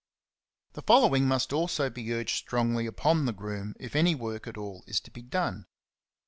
The following must also be urged strongly upon the groom if any work at all is to be done.